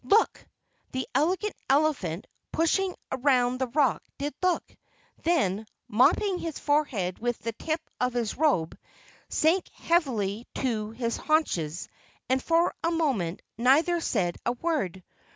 "LOOK!" The Elegant Elephant, pushing round the rock, did look, then, mopping his forehead with the tip of his robe, sank heavily to his haunches and for a moment neither said a word.